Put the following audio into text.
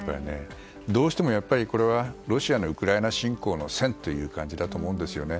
どうしても、これはロシアのウクライナ侵攻の「戦」という漢字だと思うんですね。